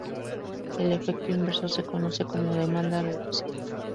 El efecto inverso se conoce como demanda reducida.